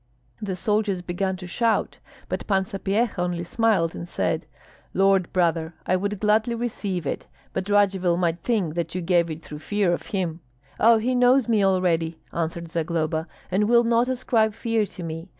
The soldiers began to shout; but Pan Sapyeha only smiled and said, "Lord brother, I would gladly receive it, but Radzivill might think that you gave it through fear of him." "Oh, he knows me already," answered Zagloba, "and will not ascribe fear to me.